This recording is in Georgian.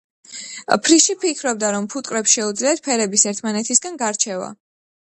ფრიში ფიქრობდა, რომ ფუტკრებს შეუძლიათ ფერების ერთმანეთისგან გარჩევა.